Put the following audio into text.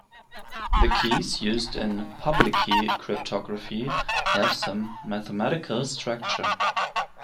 The keys used in public key cryptography have some mathematical structure.